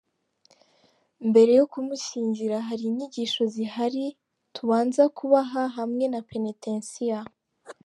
Mbere yo kumushyingira hari inyigisho zihari tubanza kubaha, hamwe na penetensiya.